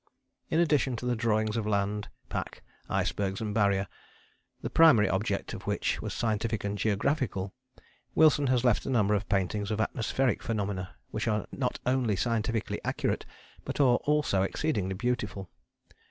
" In addition to the drawings of land, pack, icebergs and Barrier, the primary object of which was scientific and geographical, Wilson has left a number of paintings of atmospheric phenomena which are not only scientifically accurate but are also exceedingly beautiful.